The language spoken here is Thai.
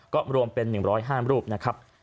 ก็รวมเป็น๑๐๕รูปนะครับ